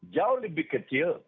jauh lebih kecil